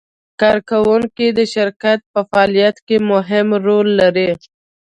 کارکوونکي د شرکت په فعالیت کې مهم رول لري.